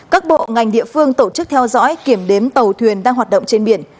các bộ ngành địa phương tổ chức theo dõi kiểm đếm tàu thuyền đang hoạt động trên biển